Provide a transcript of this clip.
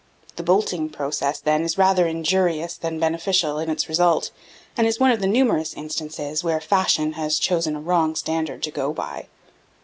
The "bolting" process, then, is rather injurious than beneficial in its result; and is one of the numerous instances where fashion has chosen a wrong standard to go by.